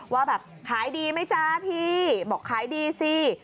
ว่าแบบขายดีไหมจ๊ะพี่บอกขายดีสิ